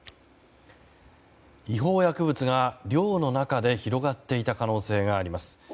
違法薬物が寮の中で広がっていた可能性があります。